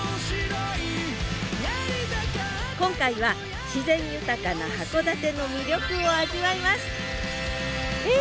今回は自然豊かな函館の魅力を味わいますえ！